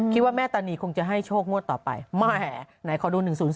คิดว่าแม่ตาณีคงจะให้โชคงวดต่อไปไม่ไหนขอดูรูป๑๐๑